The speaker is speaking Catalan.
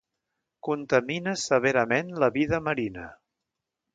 Contamina severament la vida marina.